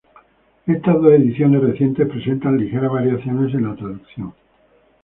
Estas dos ediciones recientes presentan ligeras variaciones en la traducción.